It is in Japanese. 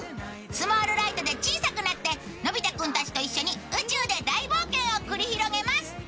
スモールライトで小さくなってのび太君たちと一緒に宇宙で大冒険を繰り広げます。